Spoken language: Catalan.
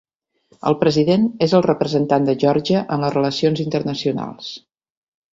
El President és el representant de Geòrgia en les relacions internacionals.